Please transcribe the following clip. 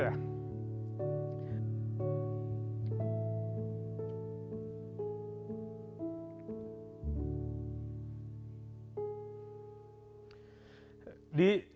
saya melihat apa ya